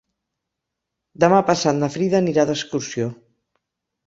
Demà passat na Frida anirà d'excursió.